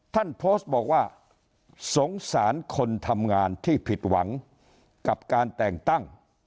ท่านโพสต์บอกว่าสงสารคนทำงานที่ผิดหวังกับการแต่งตั้ง